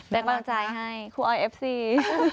ได้บังจัยให้ครูออยเอฟซี